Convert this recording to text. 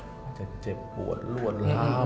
มันก็จะเจ็บปวดรวดร้าว